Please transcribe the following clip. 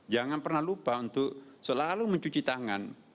jangan pernah lupa untuk selalu mencuci tangan